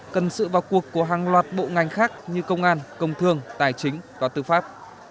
cần sự vào cuộc của hàng loạt bộ ngành khác như công an công thương tài chính và tư pháp